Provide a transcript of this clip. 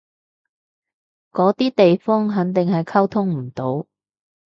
嗰啲地方肯定係溝通唔到